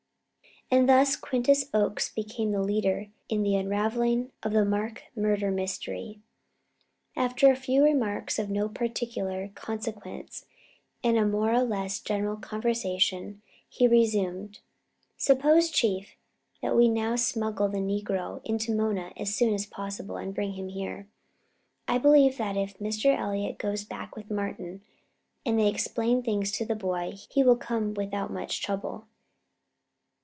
And thus Quintus Oakes became the leader in the unravelling of the Mark murder mystery. After a few remarks of no particular consequence and a more or less general conversation, he resumed: "Suppose, Chief, that we now smuggle the negro into Mona as soon as possible, and bring him here. I believe that if Mr. Elliott goes back with Martin and they explain things to the boy, he will come without much trouble.